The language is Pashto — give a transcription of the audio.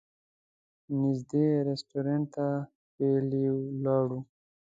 نږدې رسټورانټ ته پلي لاړو.